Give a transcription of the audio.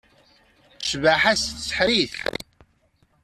Cbaḥa-s tseḥḥer-it.